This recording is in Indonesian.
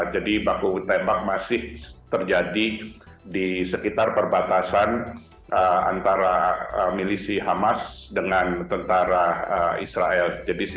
jadi baku tembak masih terjadi di sekitar perbatasan antara milisi hamas dengan tentara israel